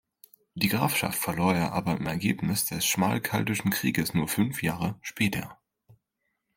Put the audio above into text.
Die Grafschaft verlor er aber im Ergebnis des Schmalkaldischen Krieges nur fünf Jahre später.